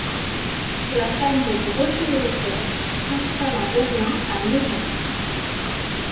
La famille Brausewetter s'installe à Berlin à neuf ans.